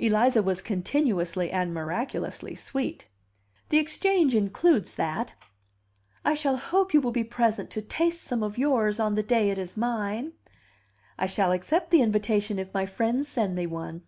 Eliza was continuously and miraculously sweet. "The Exchange includes that." "I shall hope you will be present to taste some of yours on the day it is mine." "I shall accept the invitation if my friends send me one."